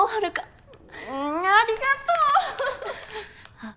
あっ。